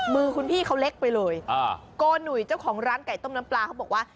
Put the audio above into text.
มือคุณพี่เขาเล็กไปเลยโกหนุ่ยเจ้าของร้านไก่ต้มน้ำปลาเขาบอกว่า